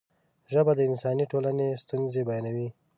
ژبه د انساني ټولنې ستونزې بیانوي.